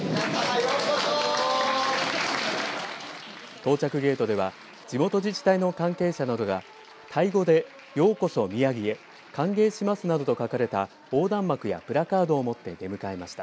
到着ゲートでは地元自治体の関係者などがタイ語で、ようこそ宮城へ歓迎しますなどと書かれた横断幕やプラカードを持って出迎えました。